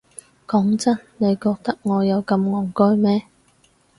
講真，你覺得我有咁戇居咩？